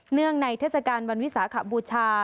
งในเทศกาลวันวิสาขบูชา